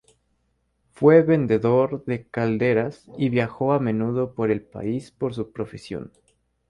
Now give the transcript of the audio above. Fue vendedor de calderas y viajó a menudo por el país por su profesión.